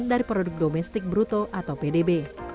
dari produk domestik bruto atau pdb